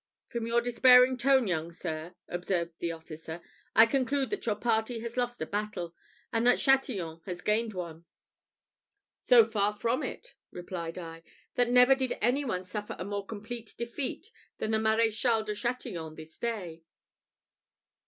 "From your despairing tone, young sir," observed the officer, "I conclude that your party has lost a battle, and that Chatillon has gained one." "So far from it," replied I, "that never did any one suffer a more complete defeat than the Maréchal de Chatillon this day.